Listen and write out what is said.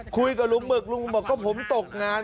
คุยกับลุงหมึกลุงบอกก็ผมตกงาน